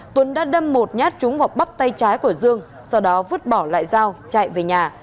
tuấn đã đâm một nhát trúng vào bắp tay trái của dương sau đó vứt bỏ lại dao chạy về nhà